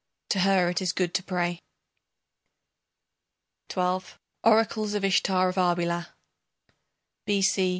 To her it is good to pray. XII. ORACLES OF ISHTAR OF ARBELA (B.C.